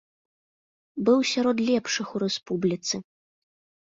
Быў сярод лепшых у рэспубліцы.